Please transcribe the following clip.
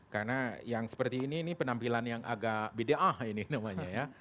karena yang seperti ini penampilan yang agak bide'ah ini namanya ya